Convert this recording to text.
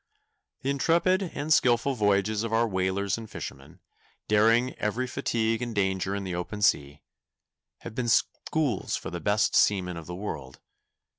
The intrepid and skilful voyages of our whalers and fishermen, daring every fatigue and danger in the open sea, have been schools for the best seamen of the world.